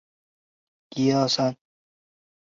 某些藩也会设置奏者番的职务。